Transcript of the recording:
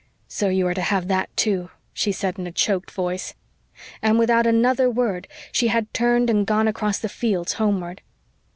"So you are to have THAT, too," she said in a choked voice. And without another word she had turned and gone across the fields homeward.